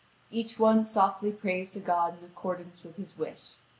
Each one softly prays to God in accordance with his wish.